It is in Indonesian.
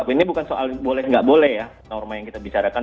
ini bukan soal boleh nggak boleh ya norma yang kita bicarakan